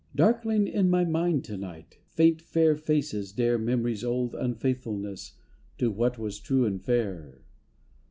Darkling in my mind to night Faint fair faces dare Memory's old unfaithfulness To what was true and fair.